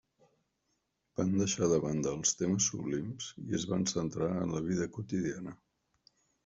Van deixar de banda els temes sublims i es van centrar en la vida quotidiana.